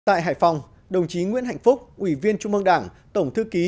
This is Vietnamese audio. tại hải phòng đồng chí nguyễn hạnh phúc ủy viên trung mương đảng tổng thư ký